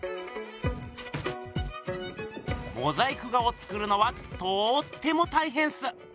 モザイク画を作るのはとっても大へんっす。